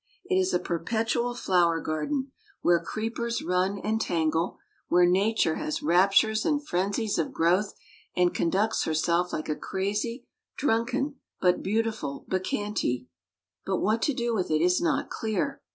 It is a perpetual flower garden, where creepers run and tangle; where Nature has raptures and frenzies of growth, and conducts herself like a crazy, drunken, but beautiful bacchante. But what to do with it is not clear.